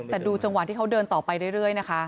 แต่ดูจังหวะที่เขาเดินต่อไปเรื่อยนะคะ